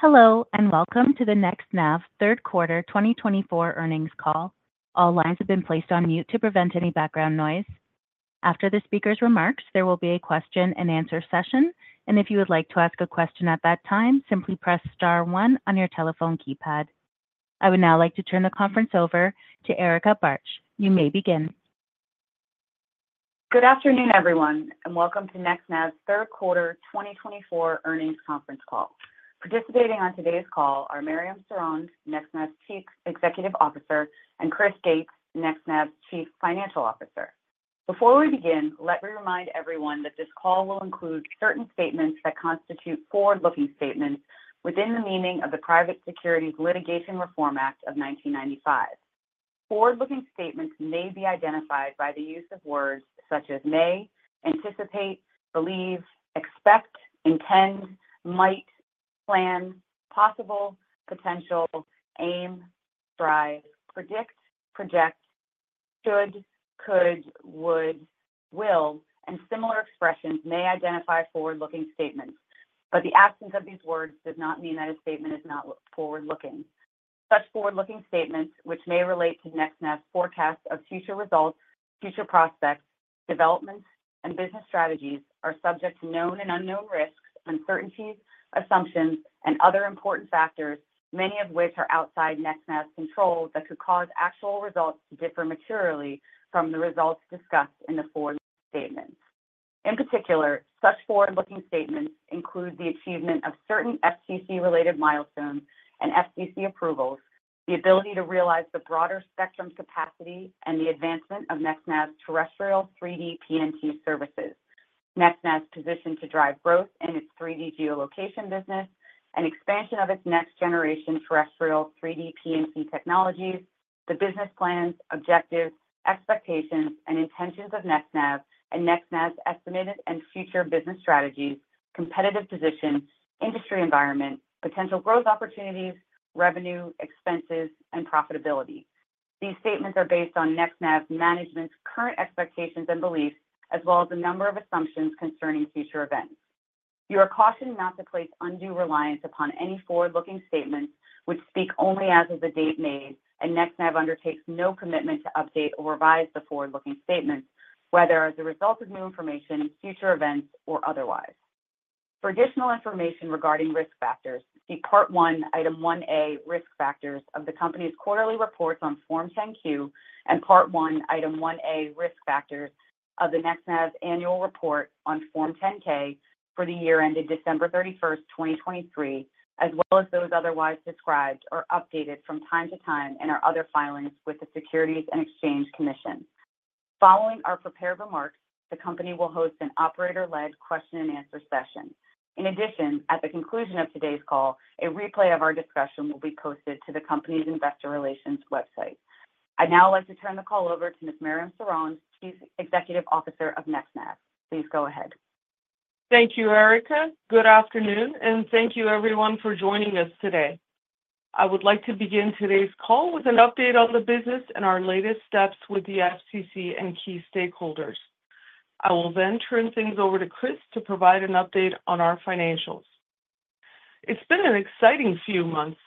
Hello, and welcome to the NextNav Q3 2024 earnings call. All lines have been placed on mute to prevent any background noise. After the speaker's remarks, there will be a question-and-answer session, and if you would like to ask a question at that time, simply press star one on your telephone keypad. I would now like to turn the conference over to Erica Bartsch. You may begin. Good afternoon, everyone, and welcome to NextNav Q3 2024 earnings conference call. Participating on today's call are Mariam Sorond, NextNav's Chief Executive Officer, and Chris Gates, NextNav's Chief Financial Officer. Before we begin, let me remind everyone that this call will include certain statements that constitute forward-looking statements within the meaning of the Private Securities Litigation Reform Act of 1995. Forward-looking statements may be identified by the use of words such as may, anticipate, believe, expect, intend, might, plan, possible, potential, aim, strive, predict, project, should, could, would, will, and similar expressions may identify forward-looking statements. But the absence of these words does not mean that a statement is not forward-looking. Such forward-looking statements, which may relate to NextNav's forecast of future results, future prospects, developments, and business strategies, are subject to known and unknown risks, uncertainties, assumptions, and other important factors, many of which are outside NextNav's control that could cause actual results to differ materially from the results discussed in the forward-looking statements. In particular, such forward-looking statements include the achievement of certain FCC-related milestones and FCC approvals, the ability to realize the broader spectrum capacity, and the advancement of NextNav's terrestrial 3D PNT services, NextNav's position to drive growth in its 3D geolocation business, and expansion of its next-generation terrestrial 3D PNT technologies, the business plans, objectives, expectations, and intentions of NextNav, and NextNav's estimated and future business strategies, competitive position, industry environment, potential growth opportunities, revenue, expenses, and profitability. These statements are based on NextNav's management's current expectations and beliefs, as well as a number of assumptions concerning future events. You are cautioned not to place undue reliance upon any forward-looking statements, which speak only as of the date made, and NextNav undertakes no commitment to update or revise the forward-looking statements, whether as a result of new information, future events, or otherwise. For additional information regarding risk factors, see Part 1, Item 1A, Risk Factors, of the company's quarterly reports on Form 10-Q, and Part 1, Item 1A, Risk Factors, of the NextNav's annual report on Form 10-K for the year ended December 31, 2023, as well as those otherwise described or updated from time to time in our other filings with the Securities and Exchange Commission. Following our prepared remarks, the company will host an operator-led question-and-answer session. In addition, at the conclusion of today's call, a replay of our discussion will be posted to the company's investor relations website. I'd now like to turn the call over to Ms. Mariam Sorond, Chief Executive Officer of NextNav. Please go ahead. Thank you, Erica. Good afternoon, and thank you, everyone, for joining us today. I would like to begin today's call with an update on the business and our latest steps with the FCC and key stakeholders. I will then turn things over to Chris to provide an update on our financials. It's been an exciting few months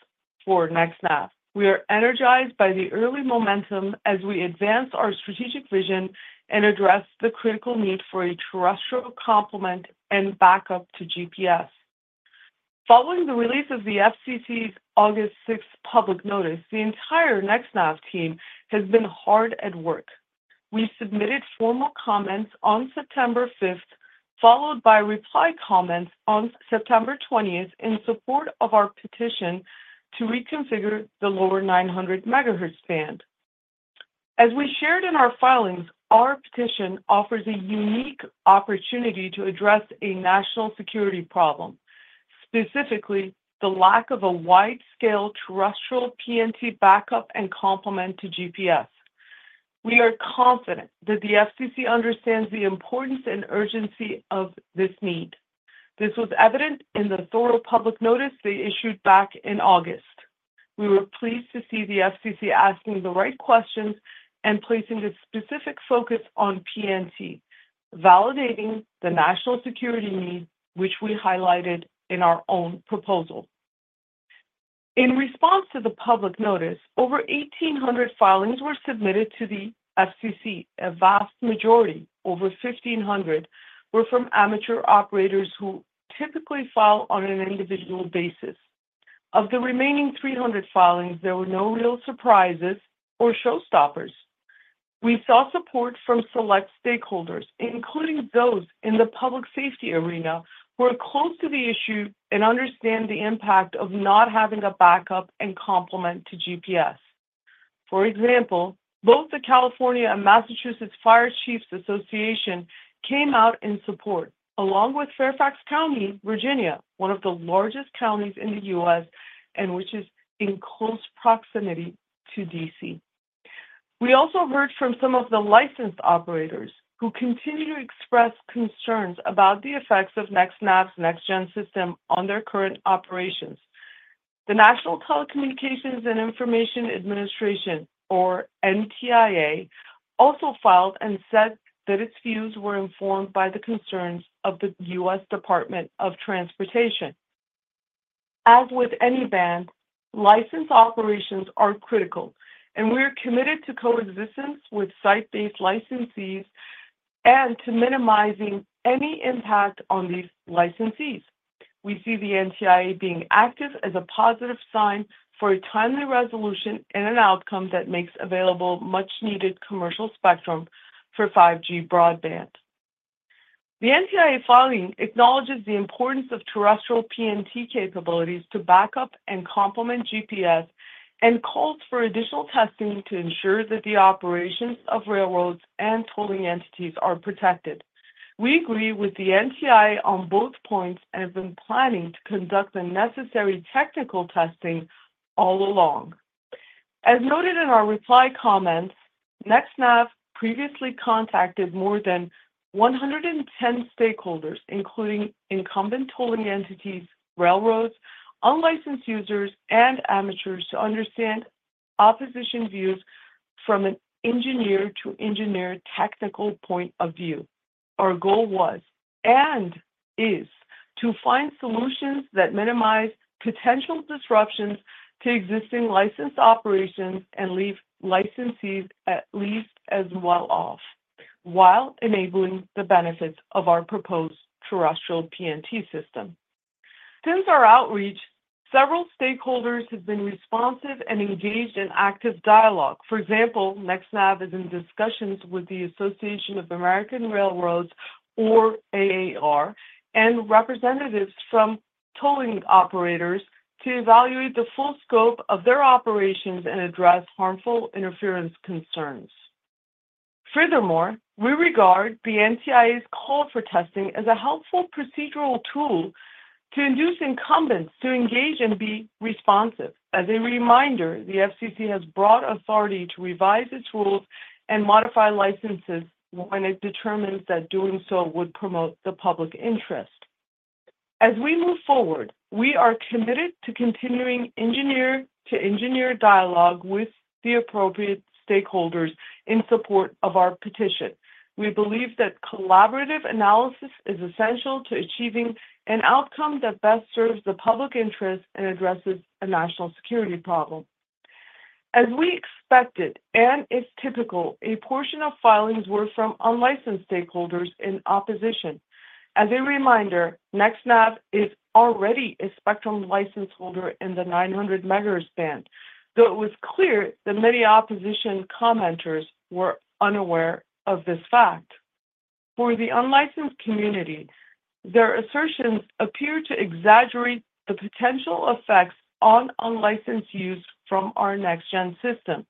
for NextNav. We are energized by the early momentum as we advance our strategic vision and address the critical need for a terrestrial complement and backup to GPS. Following the release of the FCC's August 6 public notice, the entire NextNav team has been hard at work. We submitted formal comments on September 5, followed by reply comments on September 20 in support of our petition to reconfigure the lower 900 MHz band. As we shared in our filings, our petition offers a unique opportunity to address a national security problem, specifically the lack of a wide-scale terrestrial PNT backup and complement to GPS. We are confident that the FCC understands the importance and urgency of this need. This was evident in the thorough public notice they issued back in August. We were pleased to see the FCC asking the right questions and placing a specific focus on PNT, validating the national security need, which we highlighted in our own proposal. In response to the public notice, over 1,800 filings were submitted to the FCC. A vast majority, over 1,500, were from amateur operators who typically file on an individual basis. Of the remaining 300 filings, there were no real surprises or showstoppers. We saw support from select stakeholders, including those in the public safety arena who are close to the issue and understand the impact of not having a backup and complement to GPS. For example, both the California and Massachusetts Fire Chiefs Association came out in support, along with Fairfax County, Virginia, one of the largest counties in the U.S. and which is in close proximity to D.C. We also heard from some of the licensed operators who continue to express concerns about the effects of NextNav's NextGen system on their current operations. The National Telecommunications and Information Administration, or NTIA, also filed and said that its views were informed by the concerns of the U.S. Department of Transportation. As with any band, licensed operations are critical, and we are committed to coexistence with site-based licensees and to minimizing any impact on these licensees. We see the NTIA being active as a positive sign for a timely resolution and an outcome that makes available much-needed commercial spectrum for 5G broadband. The NTIA filing acknowledges the importance of terrestrial PNT capabilities to backup and complement GPS and calls for additional testing to ensure that the operations of railroads and tolling entities are protected. We agree with the NTIA on both points and have been planning to conduct the necessary technical testing all along. As noted in our reply comments, NextNav previously contacted more than 110 stakeholders, including incumbent tolling entities, railroads, unlicensed users, and amateurs, to understand opposition views from an engineer-to-engineer technical point of view. Our goal was and is to find solutions that minimize potential disruptions to existing licensed operations and leave licensees at least as well off while enabling the benefits of our proposed terrestrial PNT system. Since our outreach, several stakeholders have been responsive and engaged in active dialogue. For example, NextNav is in discussions with the Association of American Railroads, or AAR, and representatives from tolling operators to evaluate the full scope of their operations and address harmful interference concerns. Furthermore, we regard the NTIA's call for testing as a helpful procedural tool to induce incumbents to engage and be responsive. As a reminder, the FCC has broad authority to revise its rules and modify licenses when it determines that doing so would promote the public interest. As we move forward, we are committed to continuing engineer-to-engineer dialogue with the appropriate stakeholders in support of our petition. We believe that collaborative analysis is essential to achieving an outcome that best serves the public interest and addresses a national security problem. As we expected and is typical, a portion of filings were from unlicensed stakeholders in opposition. As a reminder, NextNav is already a spectrum license holder in the 900 MHz band, though it was clear that many opposition commenters were unaware of this fact. For the unlicensed community, their assertions appear to exaggerate the potential effects on unlicensed use from our NextGen system.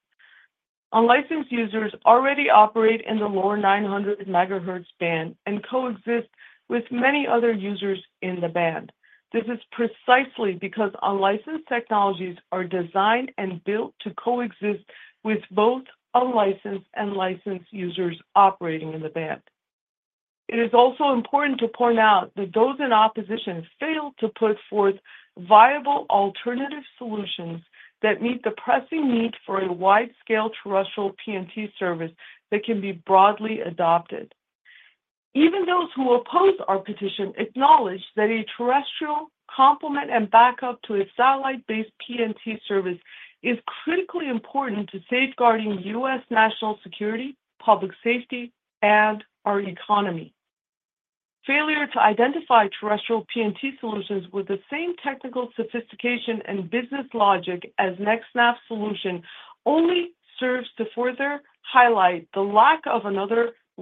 Unlicensed users already operate in the lower 900 MHz band and coexist with many other users in the band. This is precisely because unlicensed technologies are designed and built to coexist with both unlicensed and licensed users operating in the band. It is also important to point out that those in opposition failed to put forth viable alternative solutions that meet the pressing need for a wide-scale terrestrial PNT service that can be broadly adopted. Even those who oppose our petition acknowledge that a terrestrial complement and backup to a satellite-based PNT service is critically important to safeguarding U.S. national security, public safety, and our economy. Failure to identify terrestrial PNT solutions with the same technical sophistication and business logic as NextNav's solution only serves to further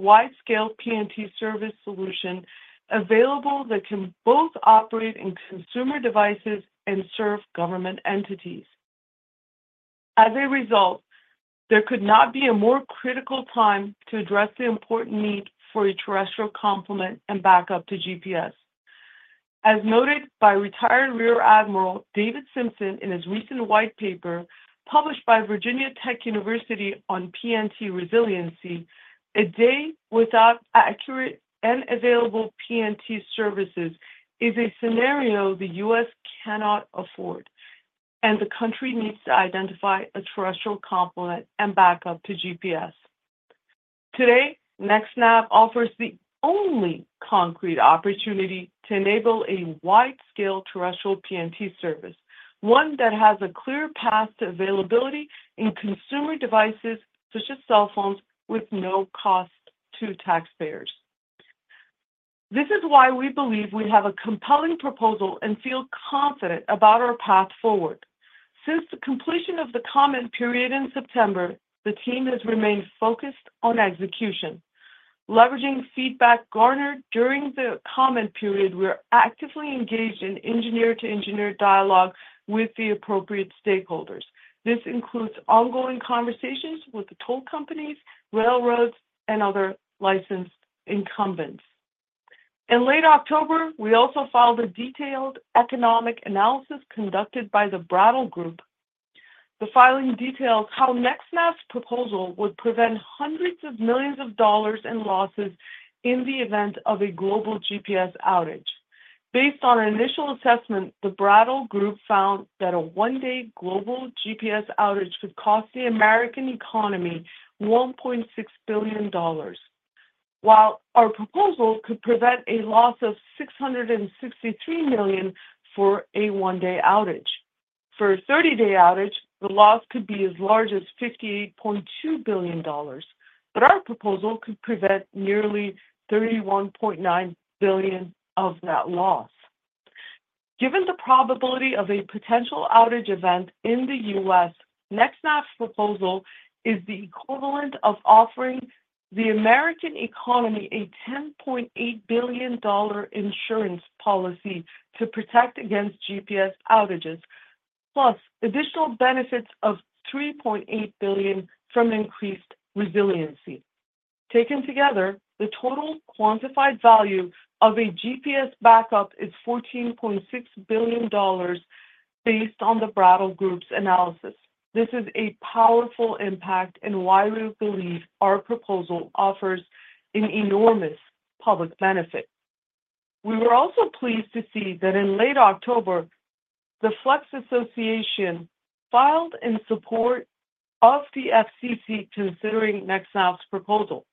highlight the lack of another wide-scale PNT service solution available that can both operate in consumer devices and serve government entities. As a result, there could not be a more critical time to address the important need for a terrestrial complement and backup to GPS. As noted by retired Rear Admiral David Simpson in his recent white paper published by Virginia Tech on PNT resiliency, a day without accurate and available PNT services is a scenario the U.S. cannot afford, and the country needs to identify a terrestrial complement and backup to GPS. Today, NextNav offers the only concrete opportunity to enable a wide-scale terrestrial PNT service, one that has a clear path to availability in consumer devices such as cell phones with no cost to taxpayers. This is why we believe we have a compelling proposal and feel confident about our path forward. Since the completion of the comment period in September, the team has remained focused on execution. Leveraging feedback garnered during the comment period, we are actively engaged in engineer-to-engineer dialogue with the appropriate stakeholders. This includes ongoing conversations with the toll companies, railroads, and other licensed incumbents. In late October, we also filed a detailed economic analysis conducted by the Brattle Group. The filing details how NextNav's proposal would prevent hundreds of millions of dollars in losses in the event of a global GPS outage. Based on an initial assessment, the Brattle Group found that a one-day global GPS outage could cost the American economy $1.6 billion, while our proposal could prevent a loss of $663 million for a one-day outage. For a 30-day outage, the loss could be as large as $58.2 billion, but our proposal could prevent nearly $31.9 billion of that loss. Given the probability of a potential outage event in the U.S., NextNav's proposal is the equivalent of offering the American economy a $10.8 billion insurance policy to protect against GPS outages, plus additional benefits of $3.8 billion from increased resiliency. Taken together, the total quantified value of a GPS backup is $14.6 billion based on the Brattle Group's analysis. This is a powerful impact, and we believe our proposal offers an enormous public benefit. We were also pleased to see that in late October, the Flex Association filed in support of the FCC considering NextNav's proposal.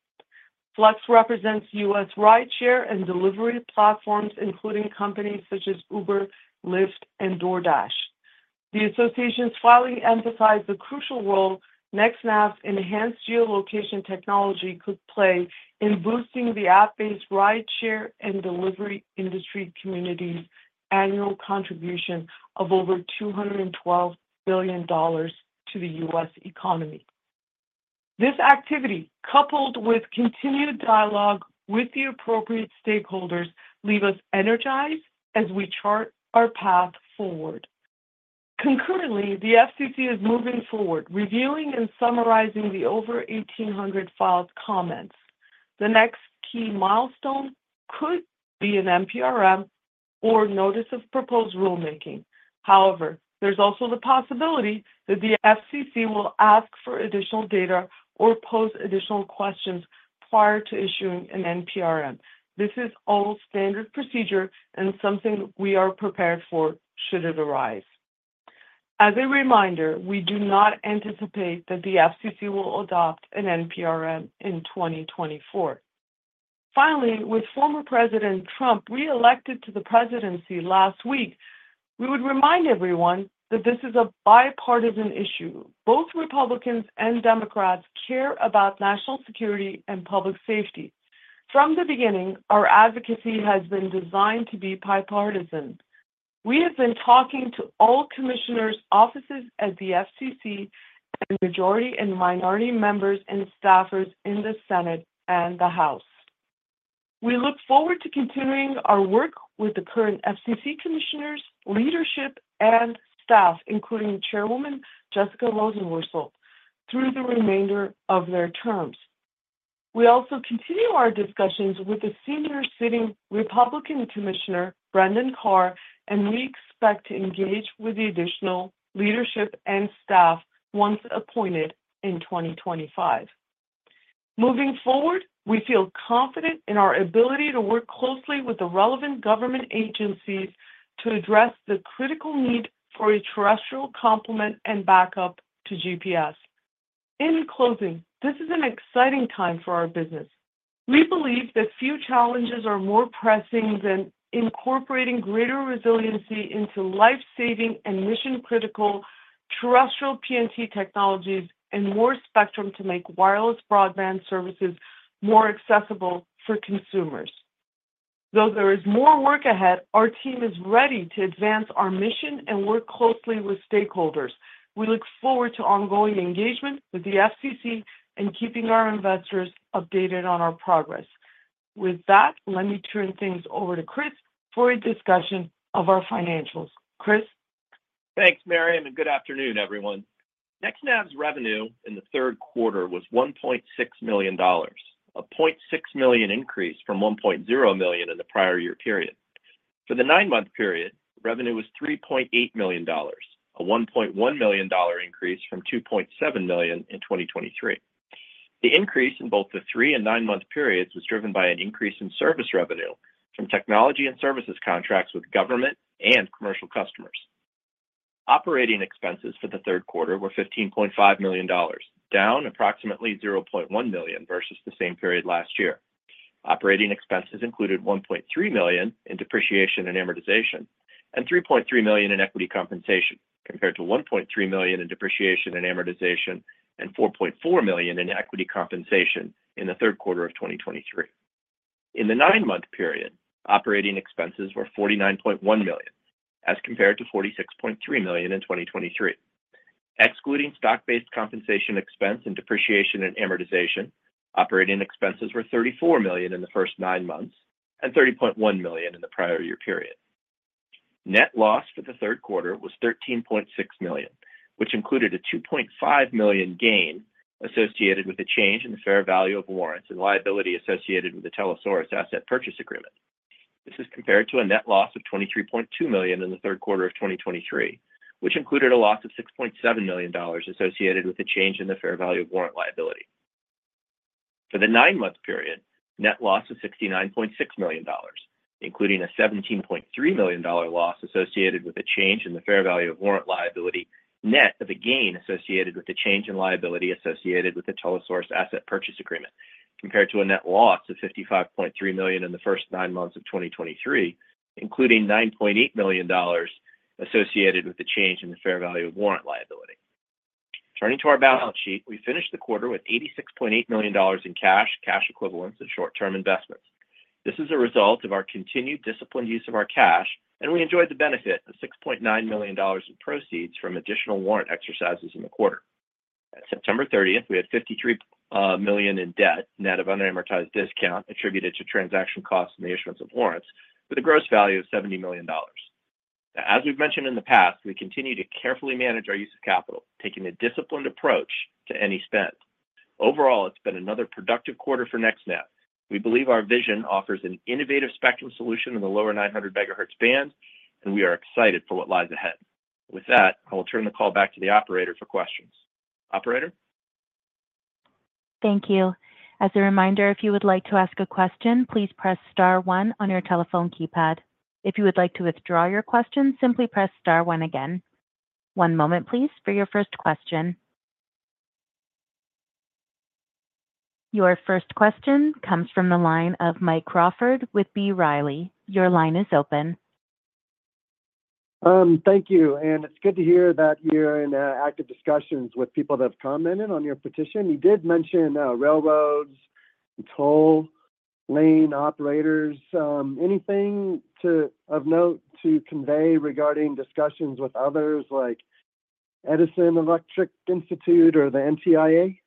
FLEX represents U.S. rideshare and delivery platforms, including companies such as Uber, Lyft, and DoorDash. The association's filing emphasized the crucial role NextNav's enhanced geolocation technology could play in boosting the app-based rideshare and delivery industry community's annual contribution of over $212 billion to the U.S. economy. This activity, coupled with continued dialogue with the appropriate stakeholders, leaves us energized as we chart our path forward. Concurrently, the FCC is moving forward, reviewing and summarizing the over 1,800 filed comments. The next key milestone could be an NPRM or notice of proposed rulemaking. However, there's also the possibility that the FCC will ask for additional data or pose additional questions prior to issuing an NPRM. This is all standard procedure and something we are prepared for should it arise. As a reminder, we do not anticipate that the FCC will adopt an NPRM in 2024. Finally, with Former President Trump re-elected to the presidency last week, we would remind everyone that this is a bipartisan issue. Both Republicans and Democrats care about national security and public safety. From the beginning, our advocacy has been designed to be bipartisan. We have been talking to all commissioners' offices at the FCC and majority and minority members and staffers in the Senate and the House. We look forward to continuing our work with the current FCC commissioners, leadership, and staff, including Chairwoman Jessica Rosenworcel, through the remainder of their terms. We also continue our discussions with the senior sitting Republican Commissioner, Brendan Carr, and we expect to engage with the additional leadership and staff once appointed in 2025. Moving forward, we feel confident in our ability to work closely with the relevant government agencies to address the critical need for a terrestrial complement and backup to GPS. In closing, this is an exciting time for our business. We believe that few challenges are more pressing than incorporating greater resiliency into life-saving and mission-critical terrestrial PNT technologies and more spectrum to make wireless broadband services more accessible for consumers. Though there is more work ahead, our team is ready to advance our mission and work closely with stakeholders. We look forward to ongoing engagement with the FCC and keeping our investors updated on our progress. With that, let me turn things over to Chris for a discussion of our financials. Chris. Thanks, Mariam, and a good afternoon, everyone. NextNav's revenue in the third quarter was $1.6 million, a $0.6 million increase from $1.0 million in the prior year period. For the nine-month period, revenue was $3.8 million, a $1.1 million increase from $2.7 million in 2023. The increase in both the three and nine-month periods was driven by an increase in service revenue from technology and services contracts with government and commercial customers. Operating expenses for the third quarter were $15.5 million, down approximately $0.1 million versus the same period last year. Operating expenses included $1.3 million in depreciation and amortization and $3.3 million in equity compensation, compared to $1.3 million in depreciation and amortization and $4.4 million in equity compensation in the third quarter of 2023. In the nine-month period, operating expenses were $49.1 million, as compared to $46.3 million in 2023. Excluding stock-based compensation expense and depreciation and amortization, operating expenses were $34 million in the first nine months and $30.1 million in the prior year period. Net loss for the third quarter was $13.6 million, which included a $2.5 million gain associated with a change in the fair value of warrants and liability associated with the Telesaurus asset purchase agreement. This is compared to a net loss of $23.2 million in the third quarter of 2023, which included a loss of $6.7 million associated with a change in the fair value of warrant liability. For the nine-month period, net loss was $69.6 million, including a $17.3 million loss associated with a change in the fair value of warrant liability net of a gain associated with a change in liability associated with the Telesaurus asset purchase agreement, compared to a net loss of $55.3 million in the first nine months of 2023, including $9.8 million associated with a change in the fair value of warrant liability. Turning to our balance sheet, we finished the quarter with $86.8 million in cash, cash equivalents, and short-term investments. This is a result of our continued disciplined use of our cash, and we enjoyed the benefit of $6.9 million in proceeds from additional warrant exercises in the quarter. At September 30th, we had $53 million in debt net of unamortized discount attributed to transaction costs and the issuance of warrants, with a gross value of $70 million. As we've mentioned in the past, we continue to carefully manage our use of capital, taking a disciplined approach to any spend. Overall, it's been another productive quarter for NextNav. We believe our vision offers an innovative spectrum solution in the lower 900 MHz band, and we are excited for what lies ahead. With that, I will turn the call back to the operator for questions. Operator? Thank you. As a reminder, if you would like to ask a question, please press star one on your telephone keypad. If you would like to withdraw your question, simply press star one again. One moment, please, for your first question. Your first question comes from the line of Mike Crawford with B. Riley. Your line is open. Thank you. And it's good to hear that you're in active discussions with people that have commented on your petition. You did mention railroads, toll lane operators. Anything of note to convey regarding discussions with others like Edison Electric Institute or the NTIA?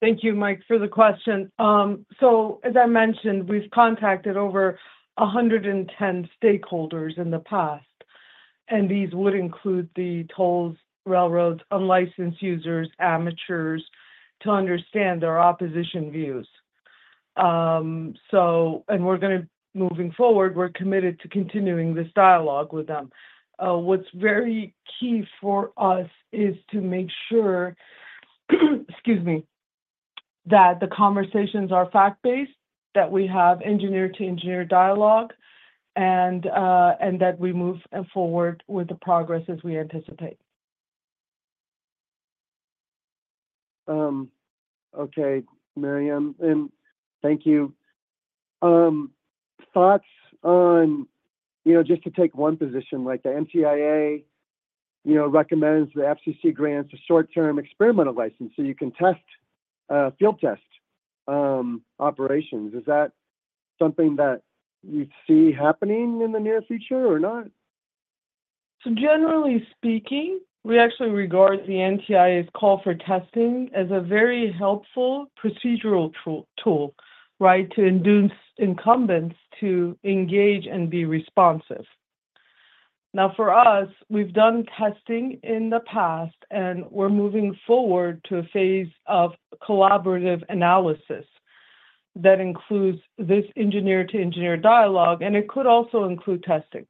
Thank you, Mike, for the question. So, as I mentioned, we've contacted over 110 stakeholders in the past, and these would include the tolls, railroads, unlicensed users, amateurs, to understand their opposition views. And we're going to, moving forward, we're committed to continuing this dialogue with them. What’s very key for us is to make sure, excuse me, that the conversations are fact-based, that we have engineer-to-engineer dialogue, and that we move forward with the progress as we anticipate. Okay, Mariam, and thank you. Thoughts on, just to take one position, like the NTIA recommends the FCC grants a short-term experimental license so you can test field test operations. Is that something that you see happening in the near future or not? So, generally speaking, we actually regard the NTIA’s call for testing as a very helpful procedural tool, right, to induce incumbents to engage and be responsive. Now, for us, we’ve done testing in the past, and we’re moving forward to a phase of collaborative analysis that includes this engineer-to-engineer dialogue, and it could also include testing.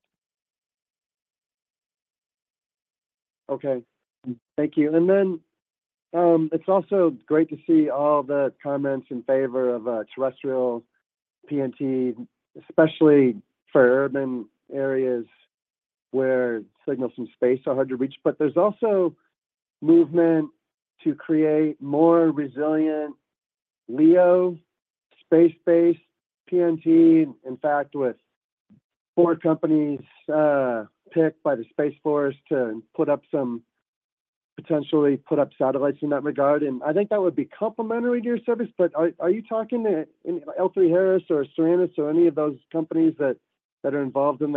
Okay. Thank you. And then it's also great to see all the comments in favor of terrestrial PNT, especially for urban areas where signals from space are hard to reach. But there's also movement to create more resilient LEO space-based PNT, in fact, with four companies picked by the Space Force to potentially put up satellites in that regard. And I think that would be complementary to your service, but are you talking to L3Harris or Suranis or any of those companies that are involved in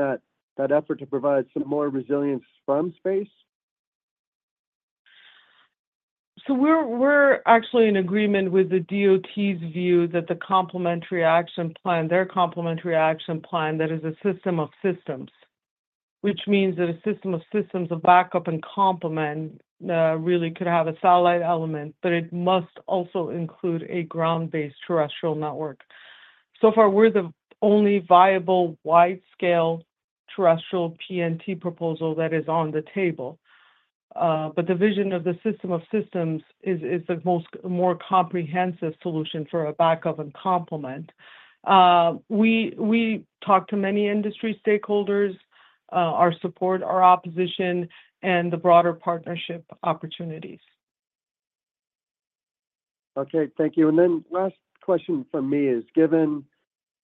that effort to provide some more resilience from space? So, we're actually in agreement with the DOT's view that the complementary action plan, their complementary action plan, that is a system of systems, which means that a system of systems of backup and complement really could have a satellite element, but it must also include a ground-based terrestrial network. So far, we're the only viable wide-scale terrestrial PNT proposal that is on the table, but the vision of the system of systems is the more comprehensive solution for a backup and complement. We talk to many industry stakeholders, our support, our opposition, and the broader partnership opportunities. Okay. Thank you, and then the last question for me is, given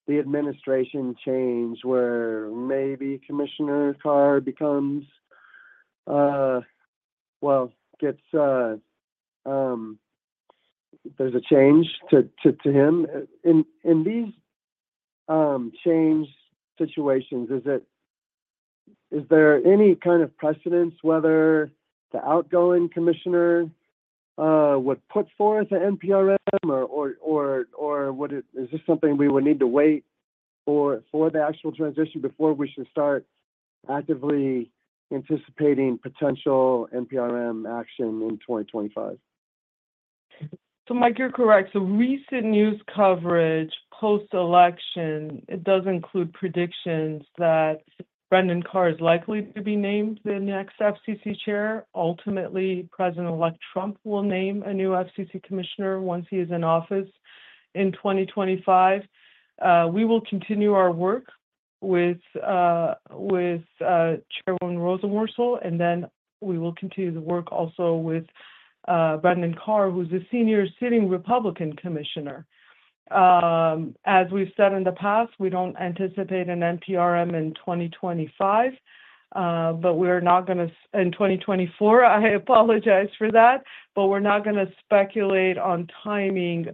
the administration change where maybe Commissioner Carr becomes, well, there's a change to him. In these change situations, is there any kind of precedence whether the outgoing commissioner would put forth an NPRM, or is this something we would need to wait for the actual transition before we should start actively anticipating potential NPRM action in 2025? So, Mike, you're correct, so recent news coverage post-election, it does include predictions that Brendan Carr is likely to be named the next FCC chair. Ultimately, President-elect Trump will name a new FCC commissioner once he is in office in 2025. We will continue our work with Chairwoman Rosenworcel, and then we will continue the work also with Brendan Carr, who's a senior sitting Republican commissioner. As we've said in the past, we don't anticipate an NPRM in 2025, but we are not going to, in 2024, I apologize for that, but we're not going to speculate on timing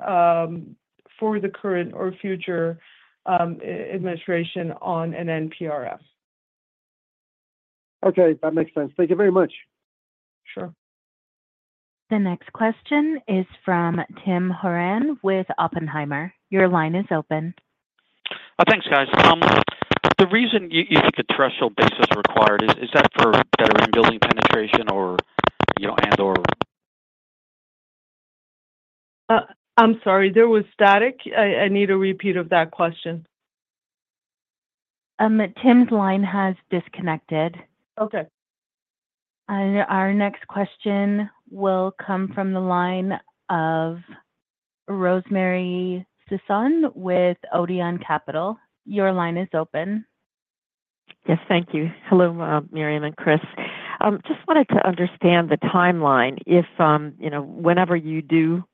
for the current or future administration on an NPRM. Okay. That makes sense. Thank you very much. Sure. The next question is from Tim Horan with Oppenheimer. Your line is open. Thanks, guys. The reason you think a terrestrial backup is required, is that for better in-building penetration and/or? I'm sorry. There was static. I need a repeat of that question. Tim's line has disconnected. Okay. Our next question will come from the line of Rosemary Sisson with Odeon Capital. Your line is open. Yes. Thank you. Hello, Mariam and Chris. Just wanted to understand the timeline. Whenever you do,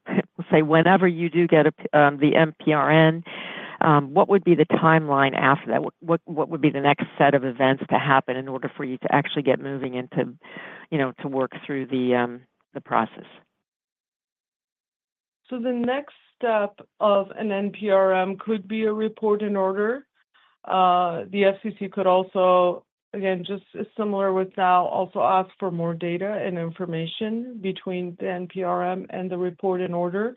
say, whenever you do get the NPRM, what would be the timeline after that? What would be the next set of events to happen in order for you to actually get moving into work through the process? So, the next step of an NPRM could be a Report and Order. The FCC could also, again, just similar with now, also ask for more data and information between the NPRM and the Report and Order.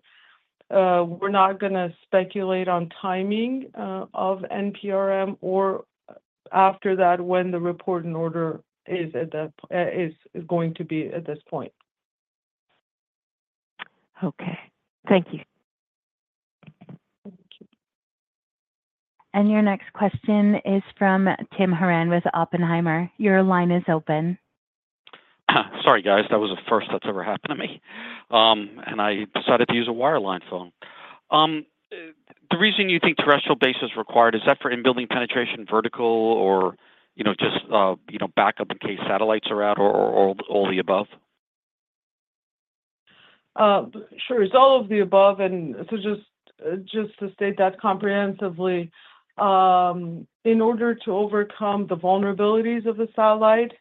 We're not going to speculate on timing of NPRM or after that when the Report and Order is going to be at this point. Okay. Thank you. Thank you. And your next question is from Tim Horan with Oppenheimer. Your line is open. Sorry, guys. That was the first that's ever happened to me, and I decided to use a wireline phone. The reason you think terrestrial base is required, is that for in-building penetration vertical or just backup in case satellites are out or all the above? Sure. It's all of the above, and so just to state that comprehensively, in order to overcome the vulnerabilities of the satellite,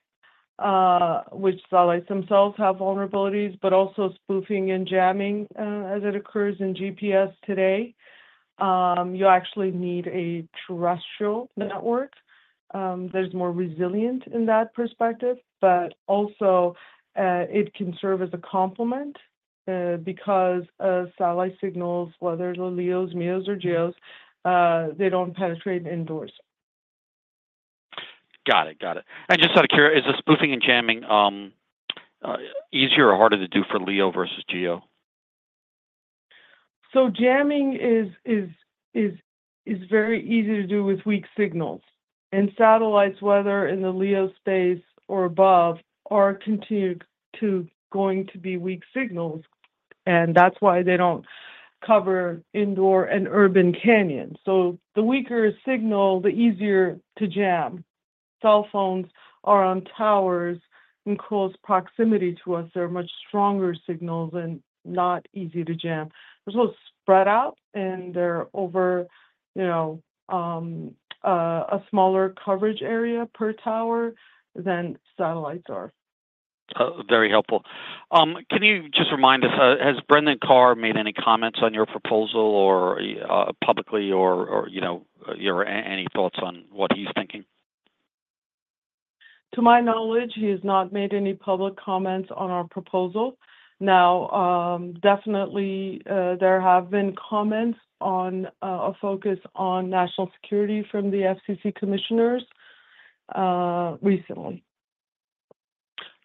which satellites themselves have vulnerabilities, but also spoofing and jamming as it occurs in GPS today, you actually need a terrestrial network that is more resilient in that perspective, but also, it can serve as a complement because satellite signals, whether they're LEOs, MEOs, or GEOs, they don't penetrate indoors. Got it. Got it, and just out of curiosity, is the spoofing and jamming easier or harder to do for LEO versus GEO? Jamming is very easy to do with weak signals. Satellites, whether in the LEO space or above, are continuing to going to be weak signals. That's why they don't cover indoor and urban canyons. The weaker signal, the easier to jam. Cell phones are on towers and close proximity to us. They're much stronger signals and not easy to jam. They're so spread out, and they're over a smaller coverage area per tower than satellites are. Very helpful. Can you just remind us? Has Brendan Carr made any comments on your proposal publicly or any thoughts on what he's thinking? To my knowledge, he has not made any public comments on our proposal. Now, definitely, there have been comments on a focus on national security from the FCC commissioners recently.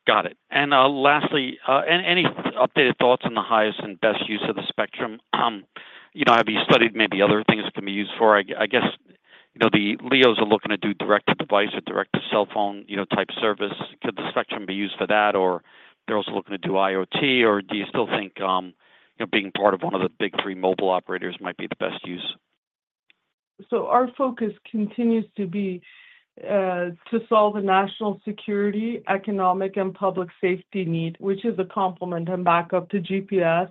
Got it. Lastly, any updated thoughts on the highest and best use of the spectrum? Have you studied maybe other things it can be used for? I guess the LEOs are looking to do direct-to-device or direct-to-cell phone type service. Could the spectrum be used for that, or they're also looking to do IoT, or do you still think being part of one of the big three mobile operators might be the best use? So, our focus continues to be to solve the national security, economic, and public safety need, which is a complement and backup to GPS.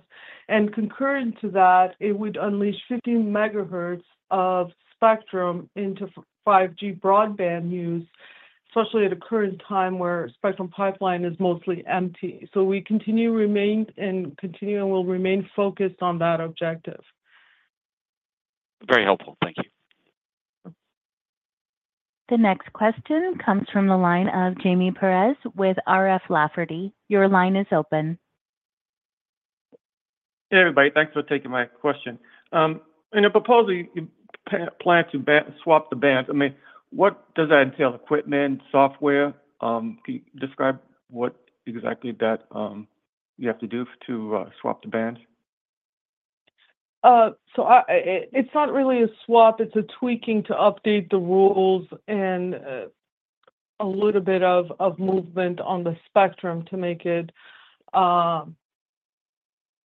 And concurrent to that, it would unleash 50 MHz of spectrum into 5G broadband use, especially at a current time where spectrum pipeline is mostly empty. So, we continue and will remain focused on that objective. Very helpful. Thank you. The next question comes from the line of Jaime Perez with RF Lafferty. Your line is open. Hey, everybody. Thanks for taking my question. In a proposal, you plan to swap the band. I mean, what does that entail? Equipment, software? Can you describe what exactly that you have to do to swap the band? So, it's not really a swap. It's a tweaking to update the rules and a little bit of movement on the spectrum to make it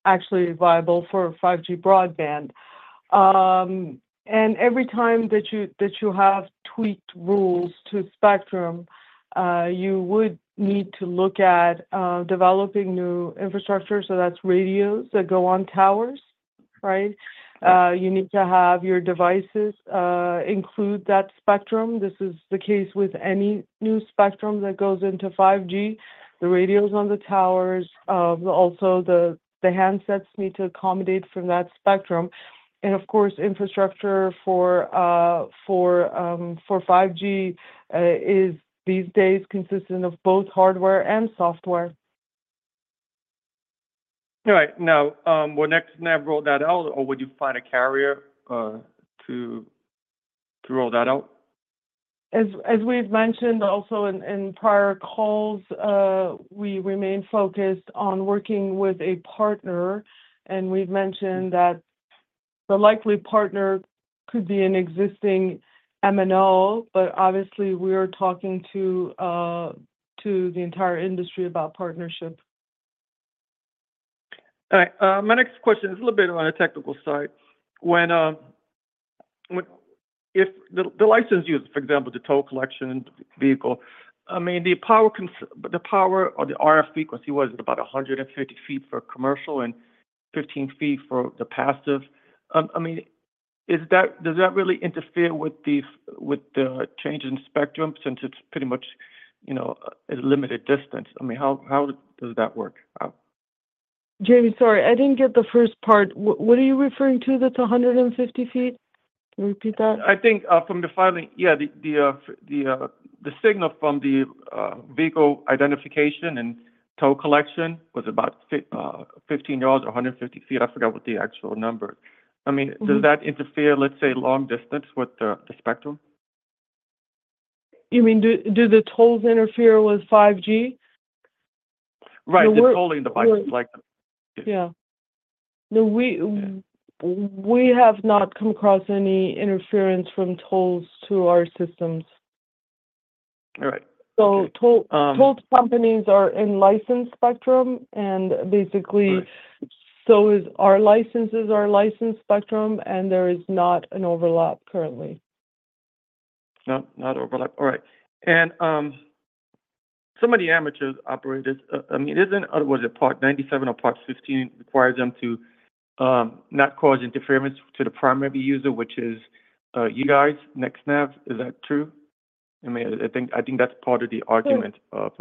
actually viable for 5G broadband. And every time that you have tweaked rules to spectrum, you would need to look at developing new infrastructure. So, that's radios that go on towers, right? You need to have your devices include that spectrum. This is the case with any new spectrum that goes into 5G. The radios on the towers, also the handsets need to accommodate for that spectrum. And of course, infrastructure for 5G is these days consistent of both hardware and software. All right. Now, will NextNav roll that out, or would you find a carrier to roll that out? As we've mentioned also in prior calls, we remain focused on working with a partner, and we've mentioned that the likely partner could be an existing MNO, but obviously, we are talking to the entire industry about partnership. All right. My next question is a little bit on a technical side. The license used, for example, the toll collection vehicle, I mean, the power or the RF frequency was about 150 feet for commercial and 15 feet for the passive. I mean, does that really interfere with the change in spectrum since it's pretty much a limited distance? I mean, how does that work? Jaime, sorry. I didn't get the first part. What are you referring to that's 150 feet? Can you repeat that? I think from the filing, yeah, the signal from the vehicle identification and toll collection was about 15 yards or 150 feet. I forgot what the actual number is. I mean, does that interfere, let's say, long distance with the spectrum? You mean, do the tolls interfere with 5G? Right. The tolling and the bicycle. Yeah. We have not come across any interference from tolls to our systems. All right. So, toll companies are in licensed spectrum, and basically, so are licenses are licensed spectrum, and there is not an overlap currently. Not overlap. All right. And some of the amateur operators, I mean, isn't it otherwise a Part 97 or Part 15 requires them to not cause interference to the primary user, which is you guys, NextNav? Is that true? I mean, I think that's part of the argument of.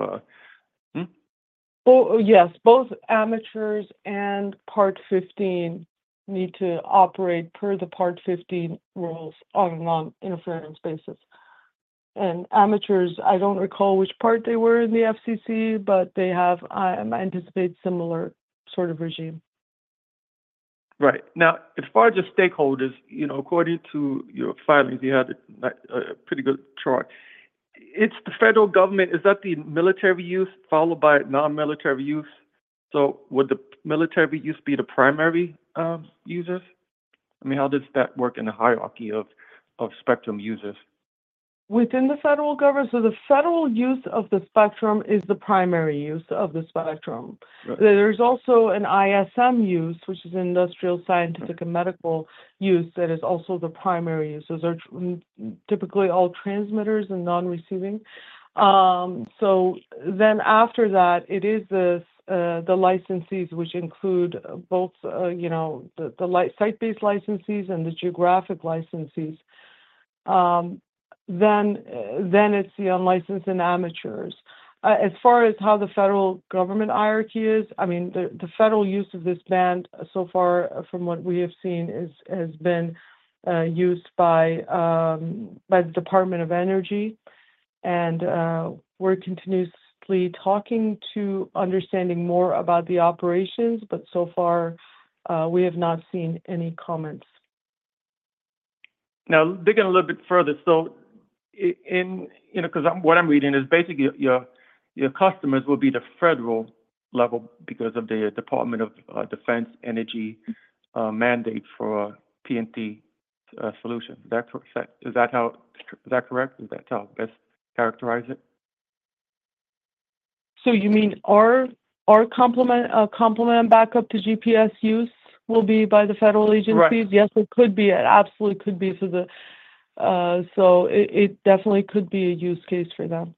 Well, yes. Both amateurs and Part 15 need to operate per the Part 15 rules on an interference basis. And amateurs, I don't recall which part they were in the FCC, but they have, I anticipate, similar sort of regime. Right. Now, as far as the stakeholders, according to your filings, you had a pretty good chart. It's the federal government. Is that the military use followed by non-military use? So, would the military use be the primary users? I mean, how does that work in the hierarchy of spectrum users? Within the federal government, so the federal use of the spectrum is the primary use of the spectrum. There's also an ISM use, which is industrial, scientific, and medical use that is also the primary use. Those are typically all transmitters and non-receiving. So then after that, it is the licensees, which include both the site-based licensees and the geographic licensees. Then it's the unlicensed and amateurs. As far as how the federal government hierarchy is, I mean, the federal use of this band so far from what we have seen has been used by the Department of Energy. And we're continuously talking to understand more about the operations, but so far, we have not seen any comments. Now, digging a little bit further, so because what I'm reading is basically your customers will be the federal level because of the Department of Defense energy mandate for PNT solutions. Is that correct? Is that how best characterize it? So, you mean our complement and backup to GPS use will be by the federal agencies? Correct Yes, it could be. It absolutely could be. So it definitely could be a use case for them.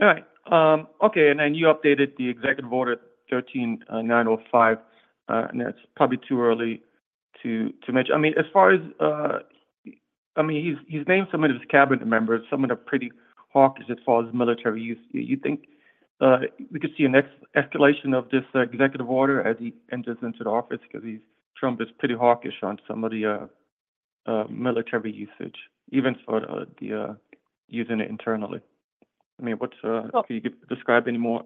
All right. Okay. And then you updated the Executive Order 13905, and it's probably too early to mention. I mean, as far as, I mean, he's named some of his cabinet members, some of them are pretty hawkish as far as military use. You think we could see an escalation of this executive order as he enters into the office because Trump is pretty hawkish on some of the military usage, even for using it internally. I mean, can you describe any more?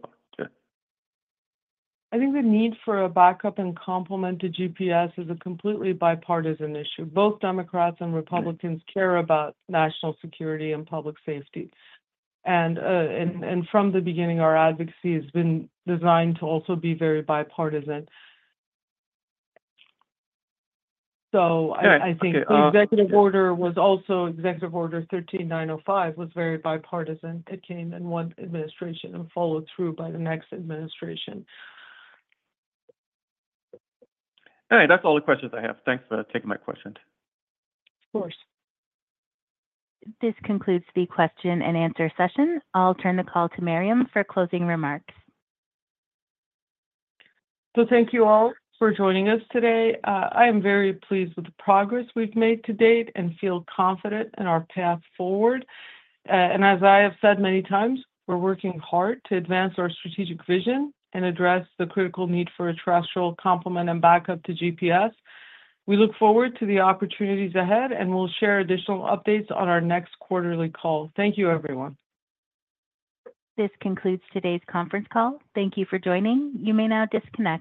I think the need for a backup and complement to GPS is a completely bipartisan issue. Both Democrats and Republicans care about national security and public safety. And from the beginning, our advocacy has been designed to also be very bipartisan. So I think the executive order was also Executive Order 13905 was very bipartisan. It came in one administration and followed through by the next administration. All right. That's all the questions I have. Thanks for taking my questions. Of course. This concludes the question and answer session. I'll turn the call to Mariam for closing remarks. So, thank you all for joining us today. I am very pleased with the progress we've made to date and feel confident in our path forward. And as I have said many times, we're working hard to advance our strategic vision and address the critical need for a terrestrial complement and backup to GPS. We look forward to the opportunities ahead and will share additional updates on our next quarterly call. Thank you, everyone. This concludes today's conference call. Thank you for joining. You may now disconnect.